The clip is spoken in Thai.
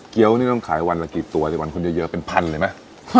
นี่ต้องขายวันละกี่ตัวในวันคนเยอะเป็นพันเลยไหม